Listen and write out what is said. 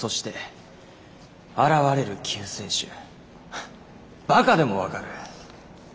ハッバカでも分かる。